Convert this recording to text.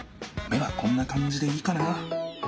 目はこんなかんじでいいかな。